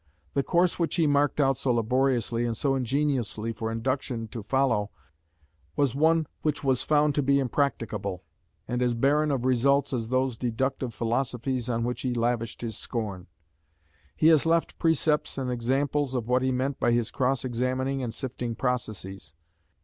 The course which he marked out so laboriously and so ingeniously for Induction to follow was one which was found to be impracticable, and as barren of results as those deductive philosophies on which he lavished his scorn. He has left precepts and examples of what he meant by his cross examining and sifting processes.